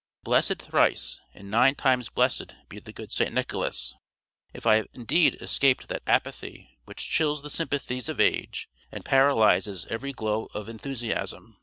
Blessed thrice, and nine times blessed be the good St. Nicholas, if I have indeed escaped that apathy which chills the sympathies of age and paralyses every glow of enthusiasm.